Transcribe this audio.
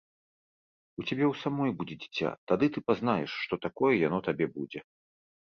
У цябе ў самой будзе дзіця, тады ты пазнаеш, што такое яно табе будзе.